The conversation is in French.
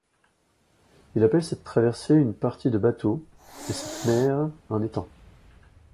Il appelle cette traversée une partie de bateau, et cette mer un étang !